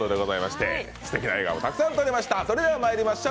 すてきな笑顔、たくさん撮れました。